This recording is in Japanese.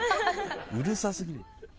うるさすぎる。